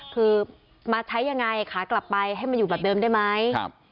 คือมาใช้ยังไงขากลับไปให้มันอยู่แบบเดิมได้ไหม